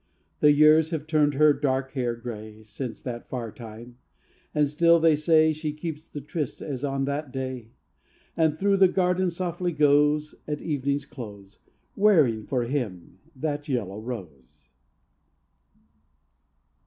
The years have turned her dark hair gray Since that far time: and still, they say, She keeps the tryst as on that day; And through the garden softly goes, At evening's close, Wearing for him that yellow rose.